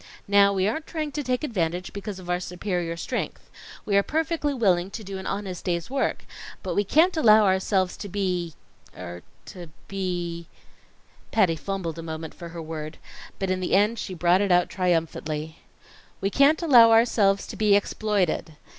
Now, we aren't trying to take advantage because of our superior strength. We are perfectly willing to do an honest day's work, but we can't allow ourselves to be er to be " Patty fumbled a moment for her word, but in the end she brought it out triumphantly. "We can't allow ourselves to be exploited.